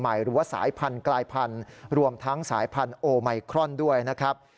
หรือว่าสายพันธุ์กลายพันธุ์รวมทั้งสายพันธุ์โอไมครอนด้วยนะครับ